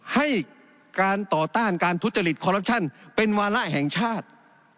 ให้การต่อต้านการทุจริตคอรัปชั่นเป็นวาระแห่งชาติ